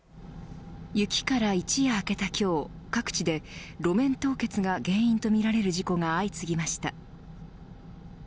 雪から一夜明けた今日各地で路面凍結が原因とみられる事故が相次ぎました。